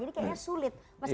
jadi kayaknya sulit